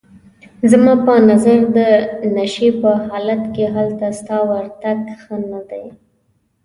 زما په نظر د نشې په حالت کې هلته ستا ورتګ ښه نه دی.